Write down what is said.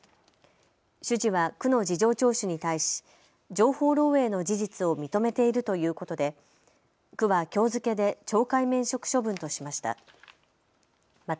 主事は区の事情聴取に対し情報漏えいの事実を認めているということで区はきょう付けで懲戒免職処分としました。